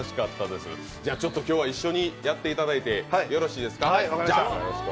今日は一緒にやっていただいてよろしいですか。